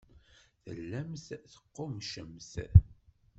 Tellamt teqqummcemt.